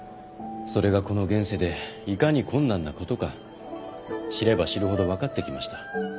それがこの現世でいかに困難なことか知れば知るほど分かってきました。